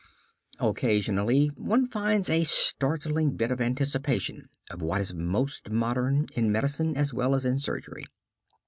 Occasionally one finds a startling bit of anticipation of what is most modern, in medicine as well as in surgery.